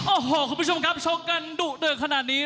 โอ้โหคุณผู้ชมครับชมกันดุเดือดขนาดนี้